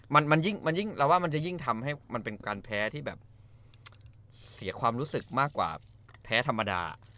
มันมันยิ่งมันยิ่งเราว่ามันจะยิ่งทำให้มันเป็นการแพ้ที่แบบเสียความรู้สึกมากกว่าแพ้ธรรมดา